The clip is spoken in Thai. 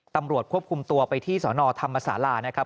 ตำรวจควบคุมตัวไปที่สนธรรมศาลานะครับ